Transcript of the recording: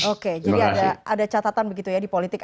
oke jadi ada catatan begitu ya di politik